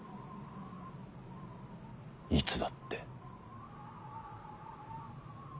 いつだって。